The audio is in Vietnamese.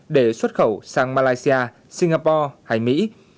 để xuất khẩu sang malaysia singapore hay mỹ